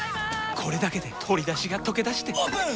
これだけで鶏だしがとけだしてオープン！